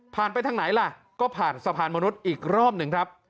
ไปทางไหนล่ะก็ผ่านสะพานมนุษย์อีกรอบหนึ่งครับ